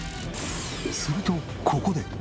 するとここで。